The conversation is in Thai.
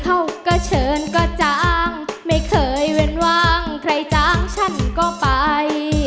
เขาก็เชิญก็จ้างไม่เคยเว้นวางใครจ้างฉันก็ไป